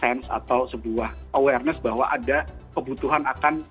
sense atau sebuah awareness bahwa ada kebutuhan akan